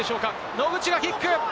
野口がキック。